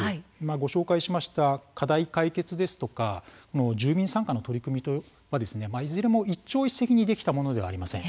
ご紹介しました課題解決ですとか住民参加の取り組みはいずれも一朝一夕にできたものではありません。